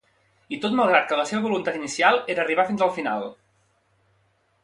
I tot malgrat que la seva voluntat inicial era arribar fins al final.